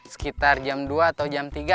sekitar jam dua atau jam tiga